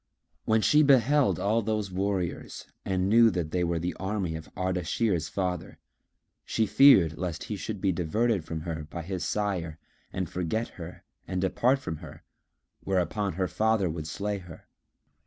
When she beheld all those warriors and knew that they were the army of Ardashir's father, she feared lest he should be diverted from her by his sire and forget her and depart from her, whereupon her father would slay her.